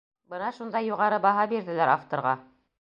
Бына шундай юғары баһа бирҙеләр авторға.